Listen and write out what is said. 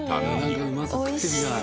うまそう食ってみたい。